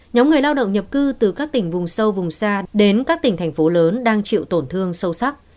nhóm người lao động nhập cư từ các tỉnh vùng sâu vùng xa đến các tỉnh thành phố lớn đang chịu tổn thương sâu sắc